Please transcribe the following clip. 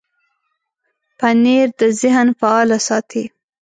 پنېر د ذهن فعاله ساتي.